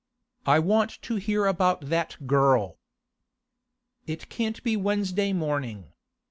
'I want to hear about that girl.' 'It can't be Wednesday morning.